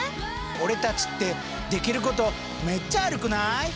俺たちってできることめっちゃあるくない？